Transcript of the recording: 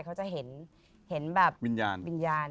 เขาจะเห็นแบบวิญญาณ